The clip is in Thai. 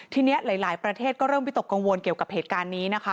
ทีนี้หลายประเทศก็เริ่มวิตกกังวลเกี่ยวกับเหตุการณ์นี้นะคะ